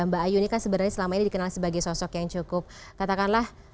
mbak ayu ini kan sebenarnya selama ini dikenal sebagai sosok yang cukup katakanlah